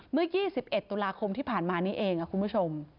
เมื่อ๒๑ตุลาคมที่ผ่านมานี้เองคุณผู้ชม